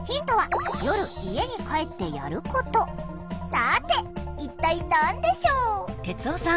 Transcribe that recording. さて一体何でしょう？